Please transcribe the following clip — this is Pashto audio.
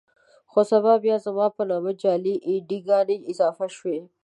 خو سبا بيا زما په نامه جعلي اې ډي ګانې اضافه شوې.